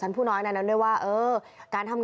คุณผู้ชมไปฟังเสียงพร้อมกัน